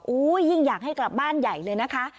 ยิ่งอยากให้กลับบ้านใหญ่เลยนะคะ